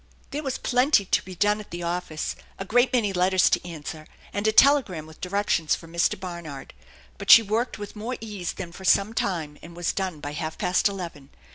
There was plenty to be done at the office, a great many letters to answer, and a telegram with directions from Mr. Barnard. But she worked with more ease than for some time, and w i done by half past eleven.